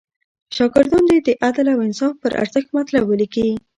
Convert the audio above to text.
شاګردان دې د عدل او انصاف پر ارزښت مطلب ولیکي.